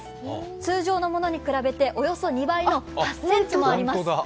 通常のものに比べておよそ２倍の８ｃｍもあります。